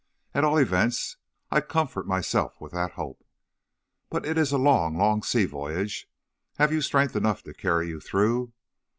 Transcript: At all events, I comfort myself with that hope.' "'But it is a long, long sea voyage. Have you strength enough to carry you through?'